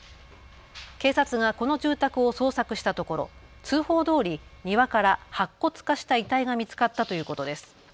警察がこの住宅を捜索したところ通報どおり庭から白骨化した遺体が見つかったということです。